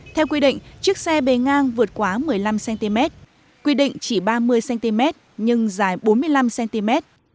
theo quy định chiếc xe bề ngang vượt quá một mươi năm cm quy định chỉ ba mươi cm nhưng dài bốn mươi năm cm